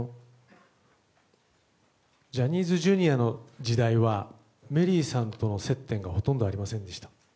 ジャニーズＪｒ．の時代はメリーさんとの接点がほとんどありませんでした。